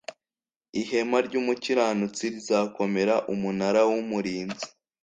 Ihema Ry Umukiranutsi Rizakomera Umunara W Umurinzi